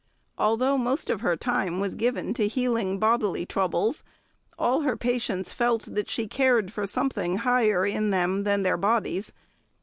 Although most of her time was given to healing bodily troubles, all her patients felt that she cared for something higher in them than their bodies.